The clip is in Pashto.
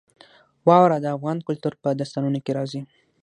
واوره د افغان کلتور په داستانونو کې راځي.